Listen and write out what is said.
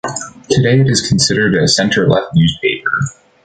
Today it is considered a centre-left newspaper.